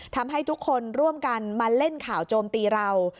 ทำให้ทุกคนร่วมกันมาเล่นข่าวโจมตีเรา